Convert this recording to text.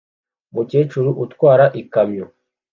Umukecuru utwara ikamyo